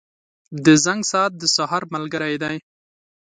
• د زنګ ساعت د سهار ملګری دی.